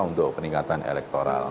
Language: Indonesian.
untuk peningkatan elektoral